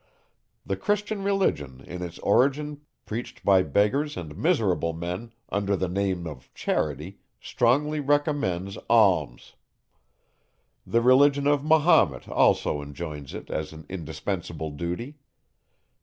The Christian religion, in its origin preached by beggars and miserable men, under the name of charity, strongly recommends alms. The religion of Mahomet also enjoins it as an indispensable duty.